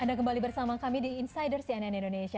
anda kembali bersama kami di insider cnn indonesia